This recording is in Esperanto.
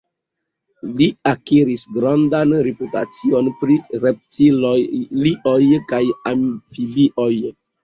Li akiris grandan reputacion pri reptilioj kaj amfibioj.